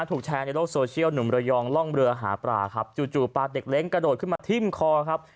ถูกแชร์ในโลกโซเชียลหนุ่มระยองล่องเรือหาปลาครับจู่ปลาเด็กเล้งกระโดดขึ้นมาทิ้มคอครับ